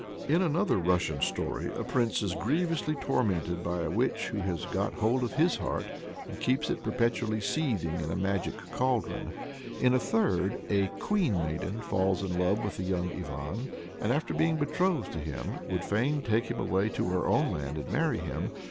" In another Russian story, a prince is grievously tormented by a witch who has got hold of his heart, and keeps it perpetually seething in a magic cauldron. In a third, a "Queen Maiden" falls in love with the young Ivan, and, after being betrothed to him, would fain take him away to her own land and marry him.